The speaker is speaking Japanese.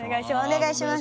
お願いします